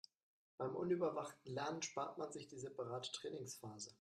Beim unüberwachten Lernen spart man sich die separate Trainingsphase.